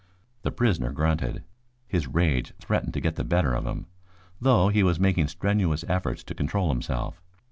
The prisoner grunted. His rage threatened to get the better of him, though he was making strenuous efforts to control himself.